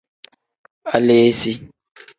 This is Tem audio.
Aleesi.